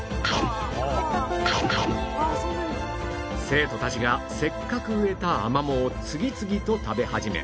生徒たちがせっかく植えたアマモを次々と食べ始め